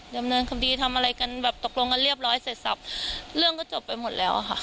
ดำเนินคดีทำอะไรกันแบบตกลงกันเรียบร้อยเสร็จสับเรื่องก็จบไปหมดแล้วอะค่ะ